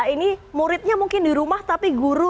ini muridnya mungkin di rumah tapi guru